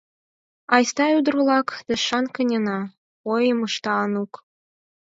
— Айста, ӱдыр-влак, тышан канена, — ойым ышта Анук.